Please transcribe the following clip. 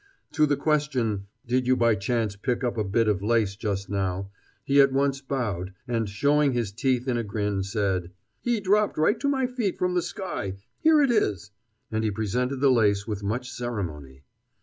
To the question: "Did you by chance pick up a bit of lace just now?" he at once bowed, and showing his teeth in a grin, said: "He dropped right to my feet from the sky; here he is" and he presented the lace with much ceremony.